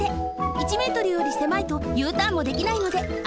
１メートルよりせまいとＵターンもできないのであ